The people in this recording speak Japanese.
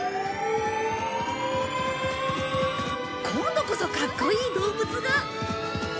今度こそかっこいい動物が。